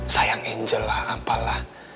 sayang angel lah apalah